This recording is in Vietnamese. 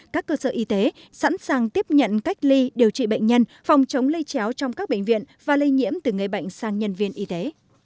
các cơ sở y tế sẵn sàng tiếp nhận cách ly điều trị bệnh nhân phòng chống lây chéo trong các bệnh viện và lây nhiễm từ người bệnh sang nhân viên y tế